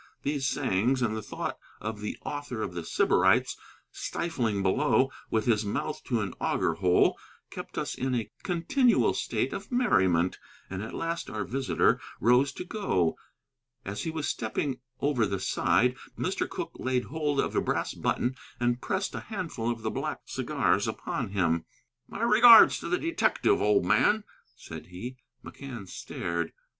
These sayings and the thought of the author of The Sybarites stifling below with his mouth to an auger hole kept us in a continual state of merriment. And at last our visitor rose to go. As he was stepping over the side, Mr. Cooke laid hold of a brass button and pressed a handful of the black cigars upon him. "My regards to the detective, old man," said he. McCann stared.